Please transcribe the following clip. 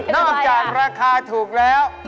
นอกจากราคาถูกแล้ว